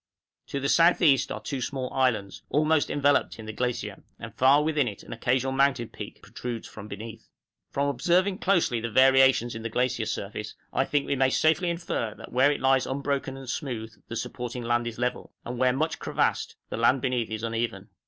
To the S.E. are two small islands, almost enveloped in the glacier, and far within it an occasional mountain peak protrudes from beneath. {REINDEER CROSS THE GLACIER.} From observing closely the variations in the glacier surface, I think we may safely infer that where it lies unbroken and smooth, the supporting land is level; and where much crevassed, the land beneath is uneven.